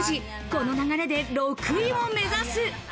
この流れで６位を目指す。